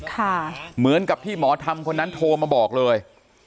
เหมือนกับที่หมอธรรมคนนั้นโทรมาบอกเลย